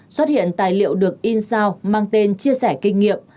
xuất hiện tài liệu được in sao mang tên chia sẻ kinh nghiệm